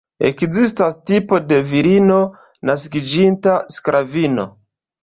Ekzistas tipo de virino naskiĝinta sklavino.